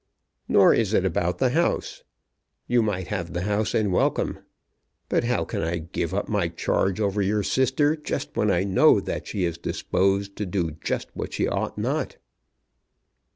"Nor is it about the house. You might have the house and welcome. But how can I give up my charge over your sister just when I know that she is disposed to do just what she ought not."